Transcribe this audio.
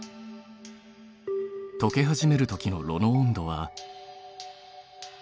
とけ始めるときの炉の温度は。